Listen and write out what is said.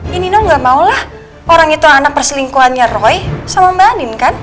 ya nino gak maulah orang itu anak perselingkuhannya roy sama mbak nin kan